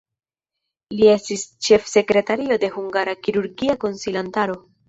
Li estis ĉefsekretario de Hungara Kirurgia Konsilantaro.